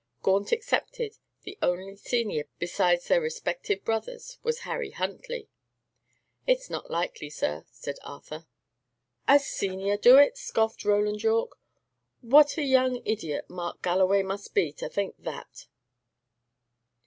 Gaunt excepted, the only senior, besides their respective brothers, was Harry Huntley. "It is not likely, sir," said Arthur. "A senior do it!" scoffed Roland Yorke. "What a young idiot Mark Galloway must be, to think that!"